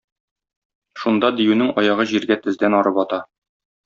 Шунда диюнең аягы җиргә тездән ары бата.